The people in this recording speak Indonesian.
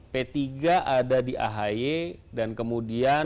p tiga ada di ahy dan kemudian